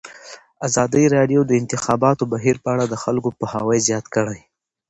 ازادي راډیو د د انتخاباتو بهیر په اړه د خلکو پوهاوی زیات کړی.